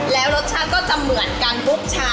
แล้วรสชาติก็จะเหมือนกันทุกชา